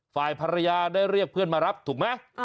ฝ่ายภรรยาได้เรียกเพื่อนมารับถูกไหม